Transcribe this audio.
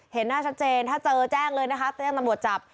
เห็นหน้าชัดเจนถ้าเจอแจ้งเลยนะคะแจ้งตำรวจจับ